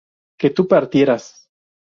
¿que tú partieras?